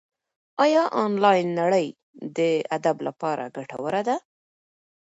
ایا انلاین نړۍ د ادب لپاره ګټوره ده؟